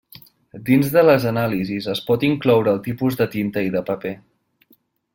Dins de les anàlisis es pot incloure el tipus de tinta i de paper.